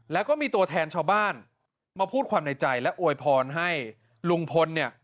แล้วก็มีตัวแทนชาวบ้านมาพูดความในใจและอวยพรให้ลุงพลเนี่ย